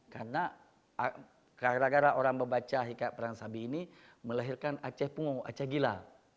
karena gara gara orang membaca hikayat perang sabi ini melahirkan aceh punggung aceh gila